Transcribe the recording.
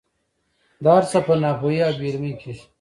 دا هر څه په ناپوهۍ او بې علمۍ کېږي.